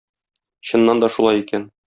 Чыннан да шулай икән.